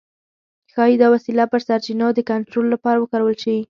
ښايي دا وسیله پر سرچینو د کنټرول لپاره وکارول شي.